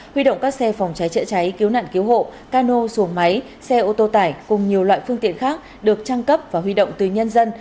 huy động các xe phòng cháy chữa cháy cứu nạn cứu hộ cano xuồng máy xe ô tô tải cùng nhiều loại phương tiện khác được trang cấp và huy động từ nhân dân